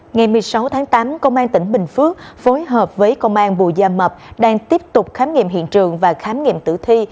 ngày một mươi sáu tháng tám công an tỉnh bình phước phối hợp với công an bù gia mập đang tiếp tục khám nghiệm hiện trường và khám nghiệm tử thi